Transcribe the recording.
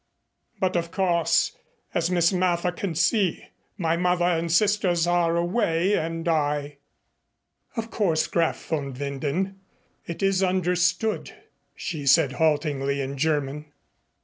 But, of course, as Miss Mather can see, my mother and sisters are away and I " "Of course, Graf von Winden, it is understood," she said haltingly in German.